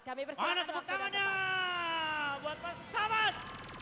mana tepuk tangannya buat pesawat